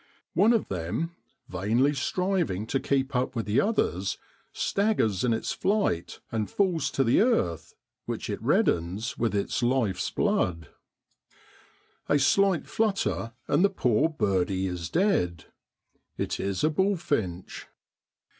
One of them, vainly striving to keep up with the others, staggers in its flight, and falls to the earth, which it reddens with its life's blood. A slight flutter and the poor birdie is dead. It is a bullfinch.